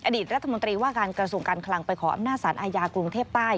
อดีตรัฐมนตรีว่าการกระทรวงการคลังไปขออำนาจสารอาญากรุงเทพใต้